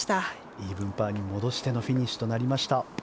イーブンパーに戻してのフィニッシュとなりました。